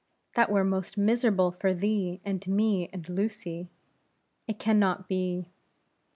that were most miserable for thee, and me, and Lucy. It can not be.